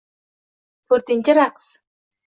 To‘rtinchi raqs.